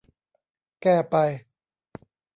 แก้ไป